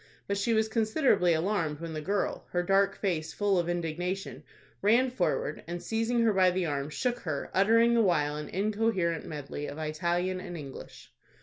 But she was considerably alarmed when the girl, her dark face full of indignation, ran forward, and, seizing her by the arm, shook her, uttering the while an incoherent medley of Italian and English.